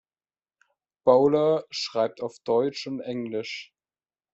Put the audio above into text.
Bowler schreibt auf Deutsch und Englisch.